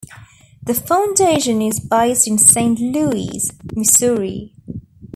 The foundation is based in Saint Louis, Missouri.